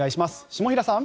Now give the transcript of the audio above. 下平さん。